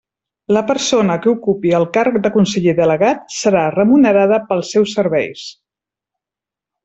La persona que ocupi el càrrec de conseller delegat serà remunerada pels seus serveis.